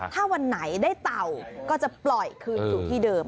ถ้าวันไหนได้เต่าก็จะปล่อยคืนสู่ที่เดิม